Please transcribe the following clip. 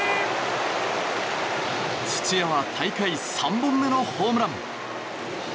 土屋は大会３本目のホームラン。